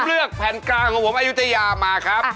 เลือกแผ่นกลางของผมอายุทยามาครับ